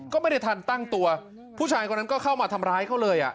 ก็ไม่ได้ทันตั้งตัวผู้ชายคนนั้นก็เข้ามาทำร้ายเขาเลยอ่ะ